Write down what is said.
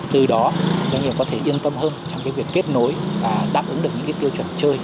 từ đó doanh nghiệp có thể yên tâm hơn trong việc kết nối và đáp ứng được những tiêu chuẩn chơi